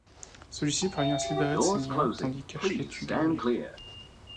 Celui-ci parvient à se libérer de ses liens, tandis qu'Ashley tue Gabriel.